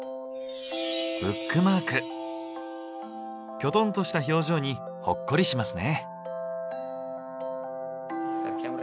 キョトンとした表情にほっこりしますね。